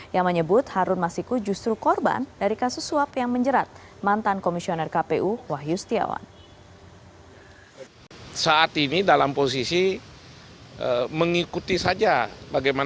yang menyebut harun masiku justru korban dari kasus suap yang menjerat mantan komisioner kpu wahyu setiawan